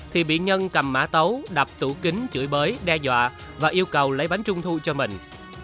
thì bị nhân cầm mã tấu đập tủ kính chửi bới đe dọa và yêu cầu lấy bánh trung thu cho mình